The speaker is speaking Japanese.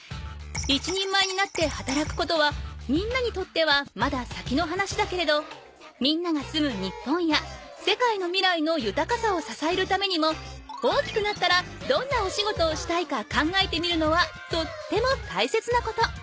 一人前になってはたらくことはみんなにとってはまだ先の話だけれどみんなが住む日本や世界のみらいのゆたかさをささえるためにも大きくなったらどんなお仕事をしたいか考えてみるのはとっても大切なこと。